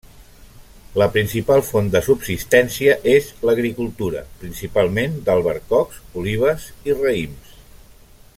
La principal font de subsistència és l'agricultura, principalment d'albercocs, olives i raïms.